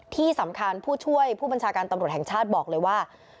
ที่สำคัญผู้ช่วยผู้บัญชาการตำรวจแห่งชาติบอกเลยว่า